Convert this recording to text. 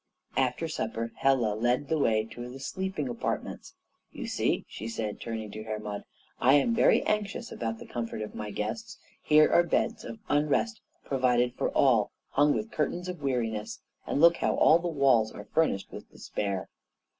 After supper Hela led the way to the sleeping apartments. "You see," she said, turning to Hermod, "I am very anxious about the comfort of my guests. Here are beds of unrest provided for all, hung with curtains of Weariness, and look how all the walls are furnished with Despair."